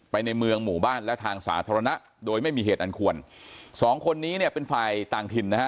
ในเมืองหมู่บ้านและทางสาธารณะโดยไม่มีเหตุอันควรสองคนนี้เนี่ยเป็นฝ่ายต่างถิ่นนะฮะ